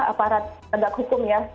aparat negak hukum ya